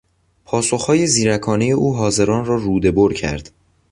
پاسخهای زیرکانهی او حاضران را رودهبر کرد.